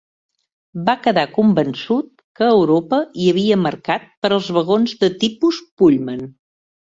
Va quedar convençut que a Europa hi havia mercat per als vagons de tipus Pullman.